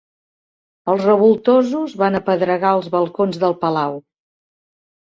Els revoltosos van apedregar els balcons del palau.